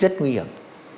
rất nguy hiểm